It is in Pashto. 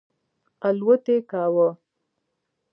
الوت یې کاوه.